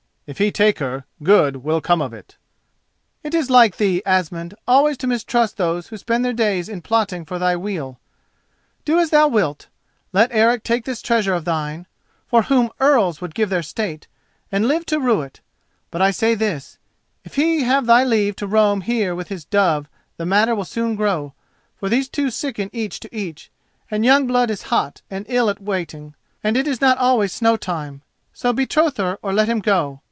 If he take her good will come of it." "It is like thee, Asmund, always to mistrust those who spend their days in plotting for thy weal. Do as thou wilt: let Eric take this treasure of thine—for whom earls would give their state—and live to rue it. But I say this: if he have thy leave to roam here with his dove the matter will soon grow, for these two sicken each to each, and young blood is hot and ill at waiting, and it is not always snow time. So betroth her or let him go.